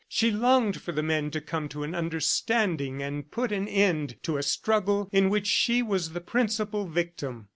She longed for the men to come to an understanding and put an end to a struggle in which she was the principal victim.